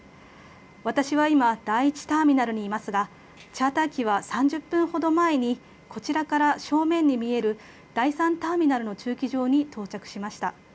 私は今、第１ターミナルにいますが、チャーター機は３０分ほど前に、こちらから正面に見える第３ターミナルの駐機場に到着しました。